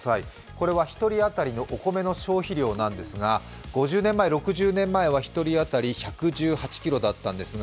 これは１人当たりのお米の消費量なんですが５０年前、６０年前は１人当たり１１８ｋｇだったんですが